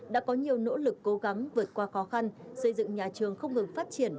đã có nhiều nỗ lực cố gắng vượt qua khó khăn xây dựng nhà trường không ngừng phát triển